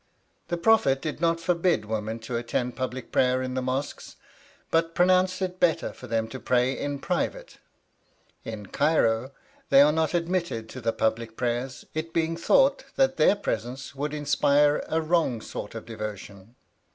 The Prophet did not forbid women to attend public prayers in the mosques, but pronounced it better for them to pray in private; in Cairo they are not admitted to the public prayers, it being thought that their presence would inspire a wrong sort of devotion.